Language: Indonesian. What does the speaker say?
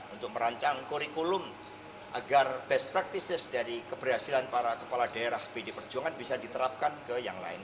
untuk merancang kurikulum agar best practices dari keberhasilan para kepala daerah pd perjuangan bisa diterapkan ke yang lain